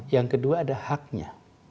yang kedua ada haknya